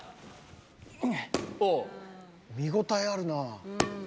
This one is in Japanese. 見応えあるなぁ。